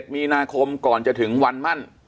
มีนาคมก่อนจะถึงวันมั่น